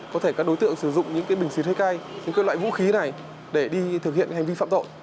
có thể các đối tượng sử dụng những cái bình xuyên hơi cay những cái loại vũ khí này để đi thực hiện hành vi phạm rộ